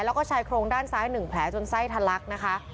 แล้วก็ใช้โครงด้านซ้ายหนึ่งแผลจนไส้ทันลักษณ์นะคะ